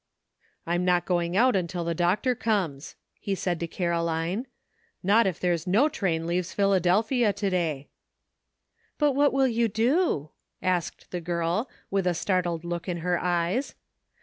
164 DARK DAYS. "I'm not going out until the doctor comes," he said to Caroline, "not if there's no train leaves Philadelphia to day !" "But what will you do?" asked the girl, with a startled look in her eyes.